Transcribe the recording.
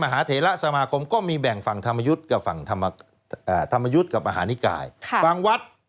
ฮ่าฮ่าฮ่าฮ่า